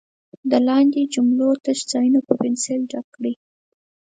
د لاندې جملو تش ځایونه په پنسل ډک کړئ.